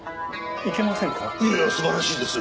いやいや素晴らしいです。